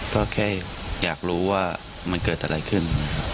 ก็แค่อยากรู้ว่ามันเกิดอะไรขึ้น